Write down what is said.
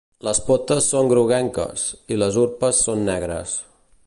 Les potes són groguenques, i les urpes són negres.